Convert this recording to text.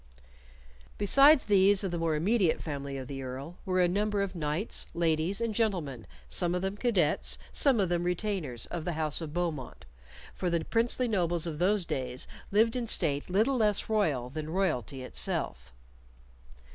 Besides these of the more immediate family of the Earl were a number of knights, ladies, and gentlemen, some of them cadets, some of them retainers, of the house of Beaumont, for the princely nobles of those days lived in state little less royal than royalty itself.